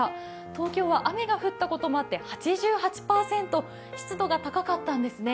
東京は雨が降ったこともあって８８％、湿度が高かったんですね。